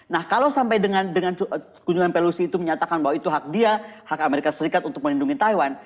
nah kalau sampai dengan kunjungan pelosi itu menyatakan bahwa itu hak dia hak amerika serikat untuk melindungi taiwan